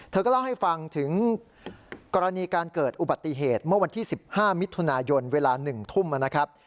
เธอก็เล่าให้ฟังถึงกรณีการเกิดอุบัติเหตุเมื่อวันที่๑๕มิถุนายนเวลา๑ทุ่มนะครับ